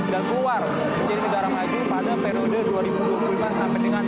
dan keluar menjadi negara maju pada periode dua ribu dua puluh lima sampai dengan dua ribu tiga puluh lima